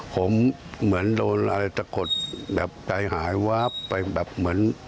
ผมเหมือนโดนอะไรตะกดแบบใจหายวาบไปแบบเหมือน